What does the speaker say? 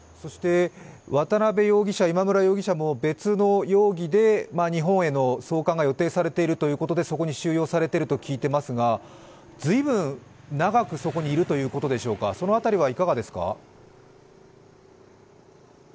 渡辺容疑者、今村容疑者も別の容疑で日本への送還が予定されているということで、そこに収監されていると聞いていますが、ずいぶん長くそこにいるということでしょうか、その辺りはいかがでしょうか？